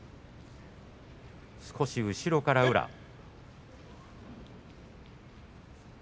少し後ろから宇良。